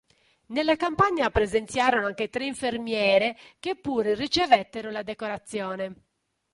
Nella campagna presenziarono anche tre infermiere che pure ricevettero la decorazione.